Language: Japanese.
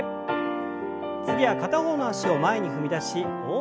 次は片方の脚を前に踏み出し大きく胸を開きます。